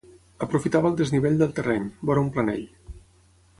Aprofitava el desnivell del terreny, vora un planell.